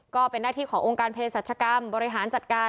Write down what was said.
ก็เป็นหน้าที่ขององค์การเพศรัชกรรมบริหารจัดการ